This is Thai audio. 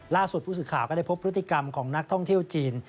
ล่าสุดผู้สื่อข่าวก็ได้พบพฤติกรรมของนักท่องเที่ยวจีน